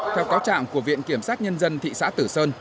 theo cáo trạng của viện kiểm sát nhân dân thị xã tử sơn